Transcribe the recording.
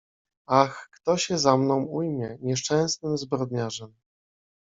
Ach, kto się za mną ujmie, nieszczęsnym zbrodniarzem.